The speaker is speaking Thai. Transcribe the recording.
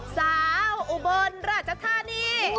สาวอุเบิร์นราชธานี